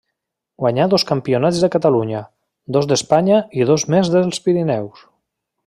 Guanyà dos campionats de Catalunya, dos d'Espanya i dos més dels Pirineus.